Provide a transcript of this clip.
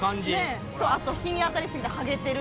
あと日に当たりすぎて剥げてる。